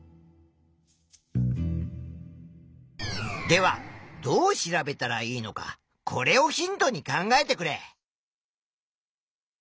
ではどう調べたらいいのかこれをヒントに考えてくれ。